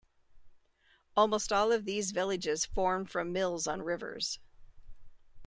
Almost all of these villages formed from mills on rivers.